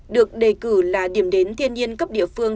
được đề cử là điểm đến thiên nhiên cấp địa phương